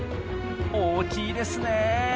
大きいですねえ。